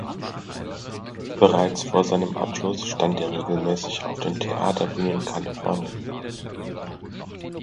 Bereits vor seinem Abschluss stand er regelmäßig auf den Theaterbühnen Kalifornien.